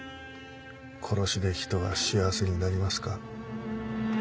「殺し」で人は幸せになりますか？